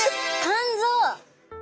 肝臓！